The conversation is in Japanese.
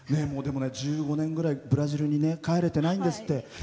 １５年ぐらいブラジルに帰れてないんですって。